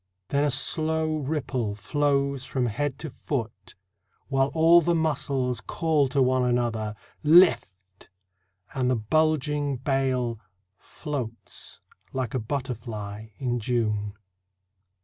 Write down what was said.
Then a slow ripple flows along the body, While all the muscles call to one another :" Lift !" and the bulging bale Floats like a butterfly in June.